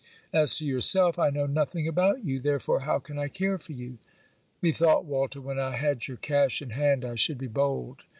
As to yourself, I know nothing about you, therefore how can I care for you?' Methought, Walter, when I had your cash in hand I should be bold.